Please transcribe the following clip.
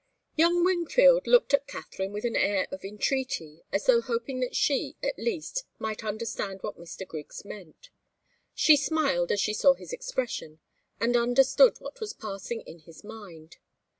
Young Wingfield looked at Katharine with an air of entreaty, as though hoping that she, at least, might understand what Mr. Griggs meant. She smiled as she saw his expression, and understood what was passing in his mind.